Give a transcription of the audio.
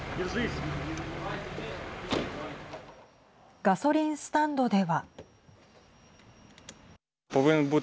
ガソリンスタンドでは。